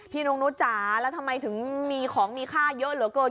นงนุษย์จ๋าแล้วทำไมถึงมีของมีค่าเยอะเหลือเกิน